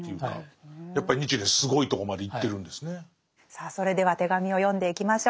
さあそれでは手紙を読んでいきましょう。